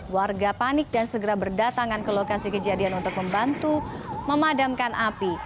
warga panik dan segera berdatangan ke lokasi kejadian untuk membantu memadamkan api